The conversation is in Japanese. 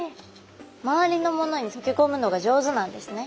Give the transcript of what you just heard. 周りのものにとけこむのが上手なんですね。